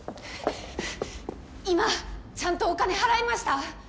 今ちゃんとお金払いました？